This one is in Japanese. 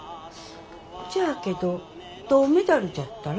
じゃあけど銅メダルじゃったら？